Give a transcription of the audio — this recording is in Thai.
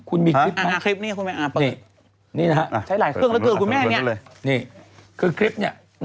คุณมีคลิปของ